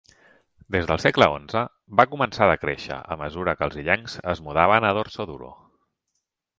Des del segle XI, va començar a decréixer a mesura que els illencs es mudaven a Dorsoduro.